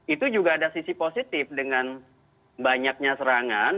itu juga ada sisi positif dengan banyaknya serangan